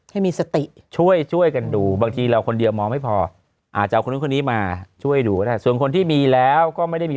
พออาจจะเอาเค้านี้ม่าช่วยดูส่วนคนที่มีแล้วก็ไม่ได้มี